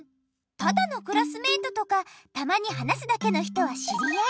ただのクラスメートとかたまに話すだけの人は知り合い。